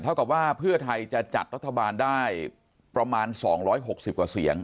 ถ้าว่าพฤทธิบัติจะจัดรัฐบาลได้ประมาณ๒๖๐กว่าเสียง